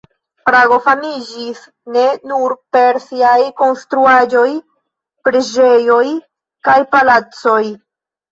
Prago famiĝis ne nur per siaj konstruaĵoj, preĝejoj kaj palacoj.